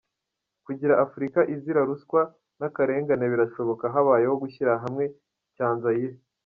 Kugira Afurika izira ruswa n’akarengane birashoboka habayeho gushyira hamwe-Cyanzayire